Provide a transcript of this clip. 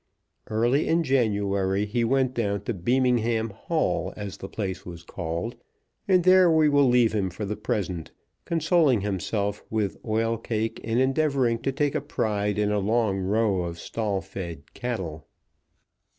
Early in January he went down to Beamingham Hall, as the place was called, and there we will leave him for the present, consoling himself with oil cake, and endeavouring to take a pride in a long row of stall fed cattle.